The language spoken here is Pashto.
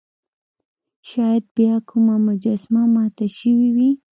شاید بیا کومه مجسمه ماته شوې وي.